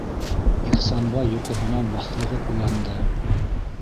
Ихсанбай йоҡоһонан баҫлығып уянды.